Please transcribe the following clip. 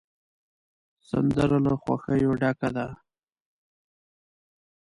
سندره له خوښیو ډکه ده